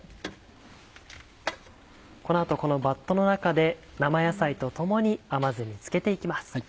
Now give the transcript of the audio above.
この後このバットの中で生野菜と共に甘酢に漬けて行きます。